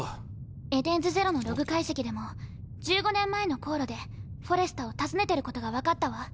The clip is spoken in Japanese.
エデンズゼロのログ解析でも１５年前の航路でフォレスタを訪ねてることが分かったわ。